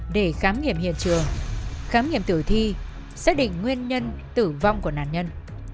để khám nghiệm hiện trường khám nghiệm tử thi xác định nguyên nhân tử vong của nạn nhân